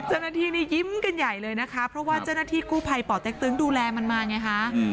เจ้าหน้าที่นี่ยิ้มกันใหญ่เลยนะคะเพราะว่าเจ้าหน้าที่กู้ภัยป่อเต็กตึงดูแลมันมาไงคะ